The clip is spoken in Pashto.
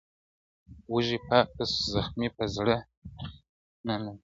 وږی پاته سو زخمي په زړه نتلی٫